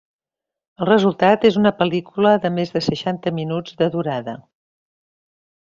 El resultat és una pel·lícula de més de seixanta minuts de durada.